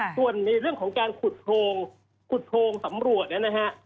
ส่วนในเรื่องของการขุดโทงสำรวจนะครับ